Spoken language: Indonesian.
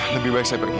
lebih baik saya pergi